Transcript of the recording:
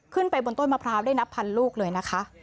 ขึ้นไปบนต้นมะพร้าวได้นับพันลูกเลยนะคะ